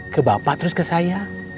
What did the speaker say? ke bapak terus ke saya